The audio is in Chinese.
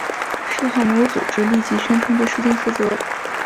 事后没有组织立即宣称对事件负责。